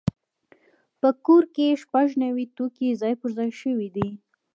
په کور کې شپږ نوي توکي ځای پر ځای شوي دي.